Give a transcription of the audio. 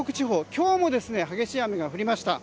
今日も激しい雨が降りました。